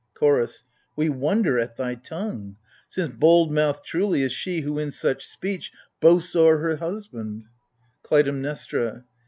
CHOROS. We wonder at thy tongue : since bold mouthed truly Is she who in such speech boasts o'er her husband ! KLUTAIMNESTRA.